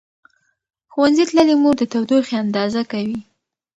ښوونځې تللې مور د تودوخې اندازه کوي.